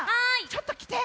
ちょっときて。